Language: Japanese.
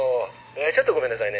ちょっとごめんなさいね。